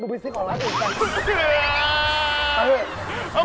มึงไปซิกออกมาก่อน